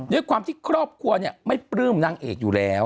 ด้วยความที่ครอบครัวไม่ปลื้มนางเอกอยู่แล้ว